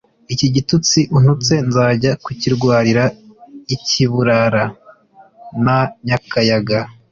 Iki gitutsi untutse nzajya kukirwarira i Kiburara na Nyakayaga